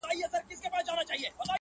o وېريږي نه خو انگازه يې بله.